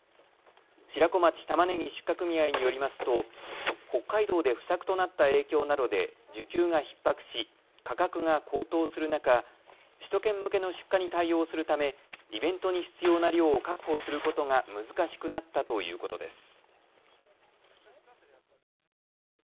白子町玉葱出荷組合によりますと北海道で不足となった影響などで需給がひっ迫し価格が高騰する中、首都圏向けの出荷に対応するためイベントに必要な量を確保することが難しくなったということです。